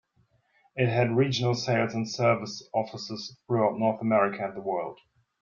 It had regional sales and service offices throughout North America and the world.